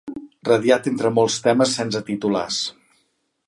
Radiat entre molts temes sense titulars.